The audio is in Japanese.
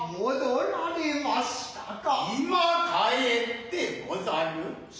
今帰ってござる。